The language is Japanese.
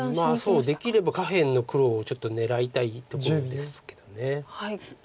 そうできれば下辺の黒をちょっと狙いたいところですけど。